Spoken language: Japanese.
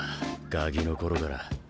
ガキの頃から。